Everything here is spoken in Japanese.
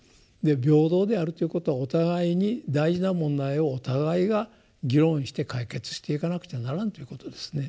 平等であるということはお互いに大事な問題をお互いが議論して解決していかなくてはならんということですね。